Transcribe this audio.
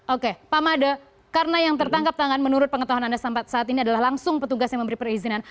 oke pak made karena yang tertangkap tangan menurut pengetahuan anda saat ini adalah langsung petugas yang memberi perizinan